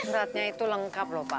buat beratnya itu lengkap lho pak